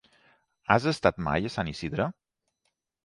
Has estat mai a Sant Isidre?